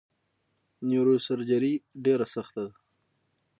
نیوروسرجري ډیره سخته ده!